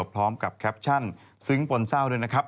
พร้อมกับแคปชั่นซึ้งปนเศร้าด้วยนะครับ